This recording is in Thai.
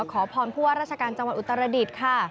ขอพรผู้ว่าราชการจังหวัดอุตรดิษฐ์ค่ะ